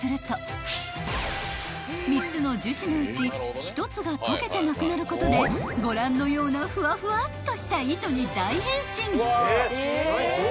［３つの樹脂のうち１つが溶けてなくなることでご覧のようなふわふわっとした糸に大変身］